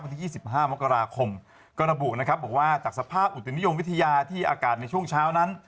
ที่๒๕มกราคมก็ระบุนะครับบอกว่าจากสภาพอุตุนิยมวิทยาที่อากาศในช่วงเช้านั้น